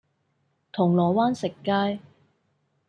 銅鑼灣食街